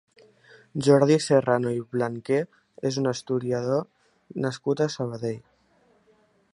Jordi Serrano i Blanquer és un historiador nascut a Sabadell.